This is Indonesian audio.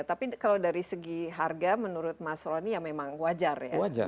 tapi kalau dari segi harga menurut mas roni ya memang wajar ya